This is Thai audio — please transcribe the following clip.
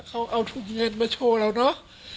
เขาเอาถุงเงินมาโชว์เราเนอะ